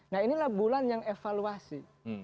nah inilah bulan yang evaluasi